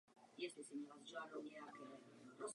Pak pracoval jako dělník a byl částečně rehabilitován.